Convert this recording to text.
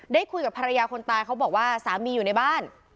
ได้คุยกับภรรยาคนตายเขาบอกว่าสามีอยู่ในบ้าน